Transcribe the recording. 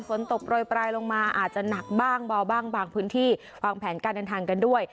ฝนตกโรยปลายลงมาอาจจะหนักบ้างเบาบ้างบางพื้นที่วางแผนการเดินทางกันด้วย